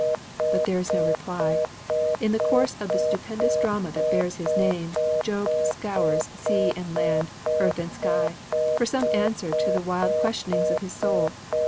_' But there is no reply. In the course of the stupendous drama that bears his name, Job scours sea and land, earth and sky, for some answer to the wild questionings of his soul.